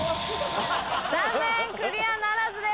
残念クリアならずです。